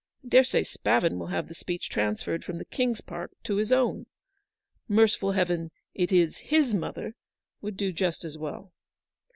I dare say Spavin will have the speech transferred from the King's part to his own. 'Merciful Heaven, it is his mother !' would do just as well."